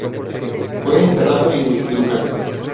Fue enterrado en Huixquilucan.